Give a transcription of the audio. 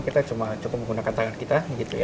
kita cukup menggunakan tangan kita